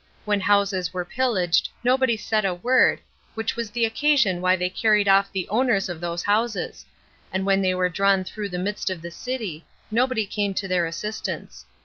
When houses were pillaged, nobody said a word, which was the occasion why they carried off the owners of those houses; and when they were drawn through the midst of the city, nobody came to their assistance.